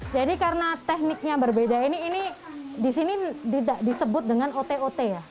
jadi karena tekniknya berbeda ini di sini disebut dengan otot ya